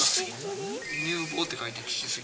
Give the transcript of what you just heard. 乳房って書いてちちすぎ。